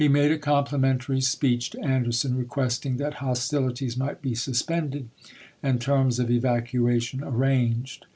made a complimentary speech to Anderson, re questing that hostilities might be suspended and terms of evacuation arranged.